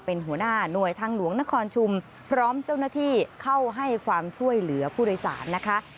เป็นหัวหน้าหน่วยทางหลวงนครชุมพร้อมเจ้าหน้าที่เข้าให้ความช่วยเหลือผู้โดยสารนะคะ